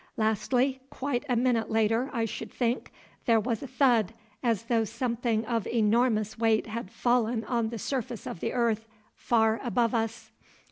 Lastly, quite a minute later I should think, there was a thud, as though something of enormous weight had fallen on the surface of the earth far above us.